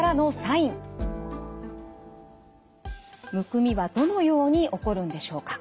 むくみはどのように起こるんでしょうか。